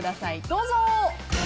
どうぞ。